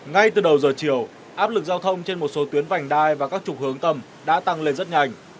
ngay từ đầu giờ chiều áp lực giao thông trên một số tuyến vành đai và các trục hướng tầm đã tăng lên rất nhanh